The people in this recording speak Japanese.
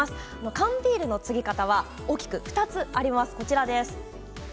缶ビールのつぎ方は大きく２つあります。